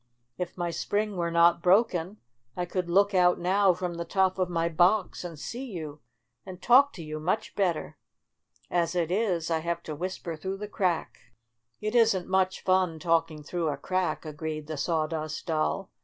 If my spring were not broken I could look out now from the top of my box and see you and talk to you much better. As it is, I have to whisper through the crack." "It isn't much fun talking through a crack," agreed the Sawdust Doll.